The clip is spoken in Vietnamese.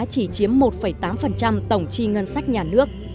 chỉ chiếm một tám tổng chi ngân sách nhà nước